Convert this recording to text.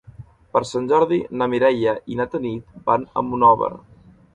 Per Sant Jordi na Mireia i na Tanit van a Monòver.